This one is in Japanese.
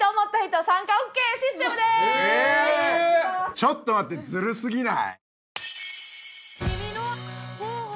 ちょっと待ってずるすぎない？